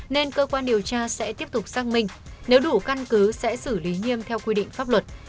nên cơ quan điều tra sẽ tiếp tục xác minh nếu đủ căn cứ sẽ xử lý nghiêm theo quy định pháp luật